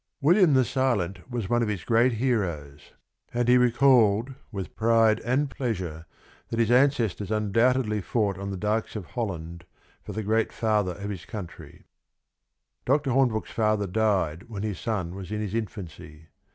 William the Silent was one of his great heroes and he recalled viii FOREWORD with pride and pleasure that his ancestors un doubtedly fought on the dykes of Holland for the great Father of his Country. Dr. Hornbrooke's father died when his son was in his infancy.